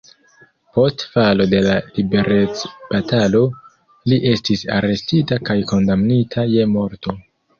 Post falo de la liberecbatalo li estis arestita kaj kondamnita je morto.